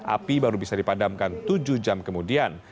api baru bisa dipadamkan tujuh jam kemudian